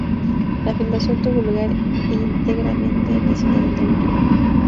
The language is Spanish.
La filmación tuvo lugar íntegramente en la ciudad de Nueva York.